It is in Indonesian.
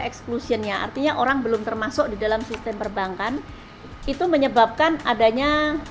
exclusionnya artinya orang belum termasuk di dalam sistem perbankan itu menyebabkan adanya